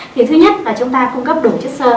thì thứ nhất là chúng ta cung cấp đủ chất sơ